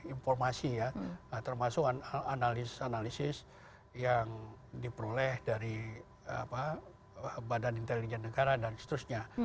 informasi ya termasuk analisis analisis yang diperoleh dari badan intelijen negara dan seterusnya